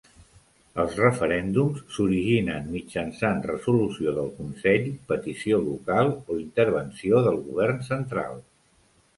Els referèndums s'originen mitjançant resolució del consell, petició local o intervenció del govern central.